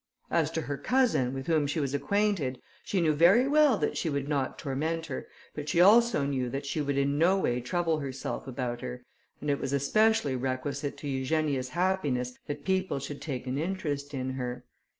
As to her cousin, with whom she was acquainted, she knew very well that she would not torment her, but she also knew that she would in no way trouble herself about her; and it was especially requisite to Eugenia's happiness that people should take an interest in her.